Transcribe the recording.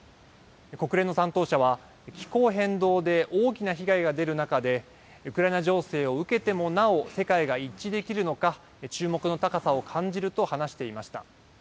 国連の担当者は気候変動で大きな被害が出る中で、ウクライナ情勢を受けてもなお世界が一致できるのか、注目の高さを感じると話していました。